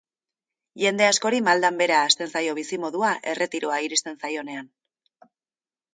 Jende askori maldan behera hasten zaio bizimodua erretiroa iristen zaionean.